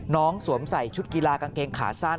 สวมใส่ชุดกีฬากางเกงขาสั้น